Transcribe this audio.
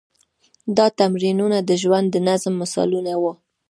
دا تمرینونه د ژوند د نظم مثالونه وو.